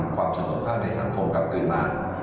ความสนุกภาคในสังคมกลับเกินมา